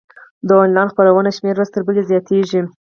د انلاین خپرونو شمېره ورځ تر بلې زیاتیږي.